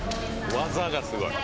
技がすごい。